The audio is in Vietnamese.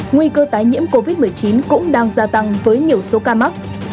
nguy cơ tái nhiễm covid một mươi chín cũng đang gia tăng với nhiều số ca mắc